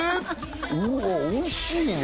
ああおいしいね